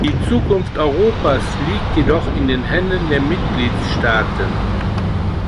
Die Zukunft Europas liegt jedoch in den Händen der Mitgliedstaaten.